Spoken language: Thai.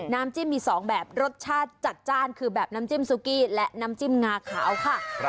น้ำจิ้มมี๒แบบรสชาติจัดจ้านคือแบบน้ำจิ้มซุกี้และน้ำจิ้มงาขาวค่ะ